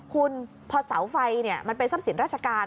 คุณพอเสาไฟมันเป็นทรัพย์สินราชการ